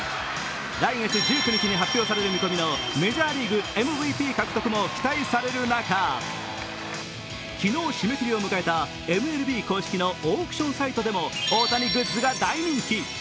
来月１９日に発表される見込みのメジャーリーグＭＶＰ獲得も期待される中、昨日、締め切りを迎えたＭＬＢ公式のオークションサイトでも大谷グッズが大人気。